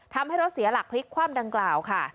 ทำให้รถเสียหลักพลิกคว่ำดังกล่าวค่ะ